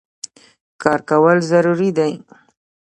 کار کول ضروري دی.